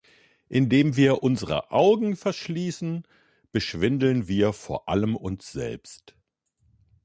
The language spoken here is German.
Indem wir unsere Augen verschließen, beschwindeln wir vor allem uns selbst.